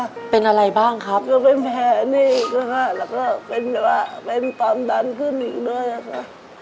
ก็เป็นแผ่นี่อีกนะคะแล้วก็เป็นว่าเป็นตอมดันขึ้นอีกด้วยค่ะ